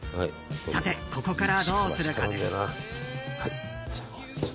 さて、ここからどうするかです。